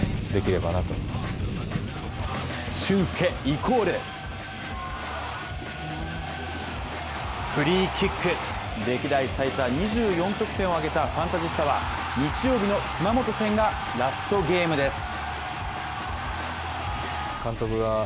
イコール歴代最多２４得点を挙げたファンタジスタは日曜日の熊本戦がラストゲームです。